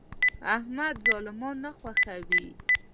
احمد ظالمان نه خوښوي.